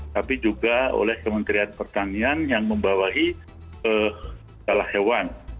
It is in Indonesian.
tapi juga oleh kementerian pertanian yang membawahi salah hewan